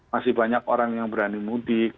masih banyak orang yang berani mudik